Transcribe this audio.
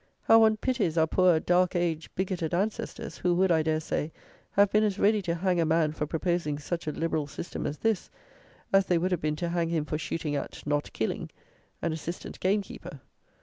How one pities our poor, "dark age, bigoted" ancestors, who would, I dare say, have been as ready to hang a man for proposing such a "liberal" system as this, as they would have been to hang him for shooting at (not killing) an assistant game keeper!